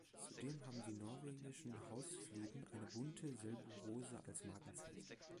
Zudem haben die norwegischen Husfliden eine bunte Selburose als Markenzeichen.